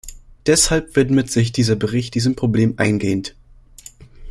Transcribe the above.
Deshalb widmet sich dieser Bericht diesem Problem eingehend.